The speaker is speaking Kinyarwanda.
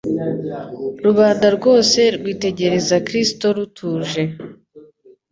Rubanda rwose rwitegereza Kristo rutuje.